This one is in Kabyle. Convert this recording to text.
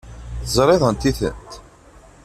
Teẓriḍ anti-tent?